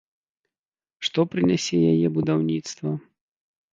Што прынясе яе будаўніцтва?